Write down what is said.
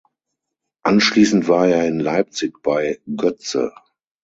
Anschließend war er in Leipzig bei Goetze.